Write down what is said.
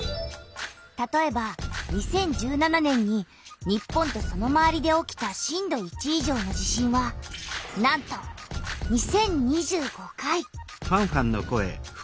たとえば２０１７年に日本とそのまわりで起きた震度１以上の地震はなんと２０２５回！